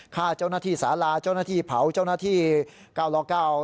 ฆ่าเจ้าหน้าที่สาราเจ้าหน้าที่เผาเจ้าหน้าที่เก้าละเก้า